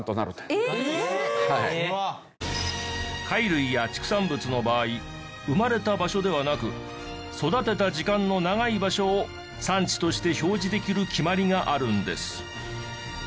貝類や畜産物の場合生まれた場所ではなく育てた時間の長い場所を産地として表示できる決まりがあるんです。